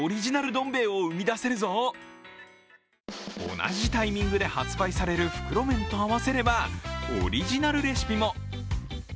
同じタイミングで発売される袋麺と合わせればオリジナルレシピも。